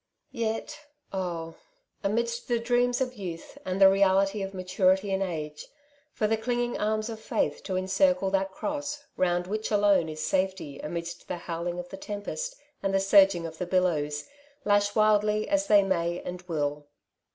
Yet, oh, amidst the dreams of youth, and the reality of maturity and age, for the clinging arms of faith to encircle that Cross round which alone is safety amidst the howling of the tempest and the surging of the billows, lash wildly as they may and will.